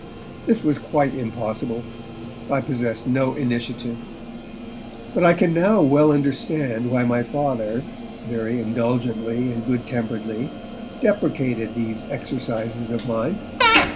That was quite impossible; I possessed no initiative. But I can now well understand why my Father, very indulgently and good temperedly, deprecated these exercises of mine.